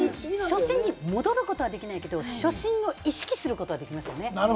初心に戻ることはできないけれども、初心を意識することはできますよね。